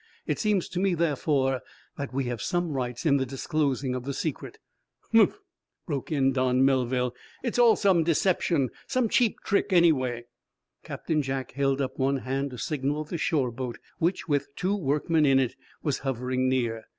It seems to me, therefore, that we have some rights in the disclosing of the secret." "Humph!" broke in Don Melville. "It's all some deception some cheap trick, anyway." Captain Jack held up one hand to signal the shore boat, which, with two workmen in it, was hovering near.